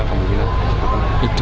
idealnya seperti itu